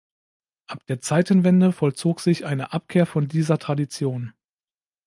Ab der Zeitenwende vollzog sich eine Abkehr von dieser Tradition.